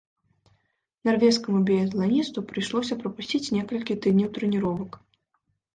Нарвежскаму біятланісту прыйшлося прапусціць некалькі тыдняў трэніровак.